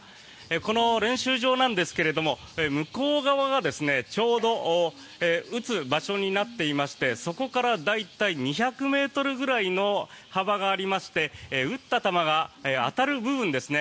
この練習場なんですけども向こう側が、ちょうど打つ場所になっていましてそこから大体２００ｍぐらいの幅がありまして打った球が当たる部分ですね